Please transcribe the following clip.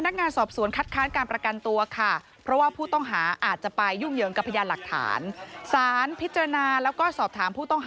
นวงเหนียวกักขังก็ปฏิเสธ